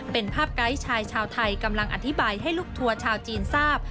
เป็นภาพไกด์ชายชาวไทยกำลังอธิบายให้ลูกทัวร์ชาวจีนทราบ